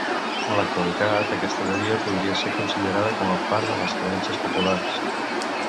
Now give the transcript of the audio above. En l'actualitat, aquesta teoria podria ser considerada com a part de les creences populars.